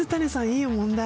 いい問題。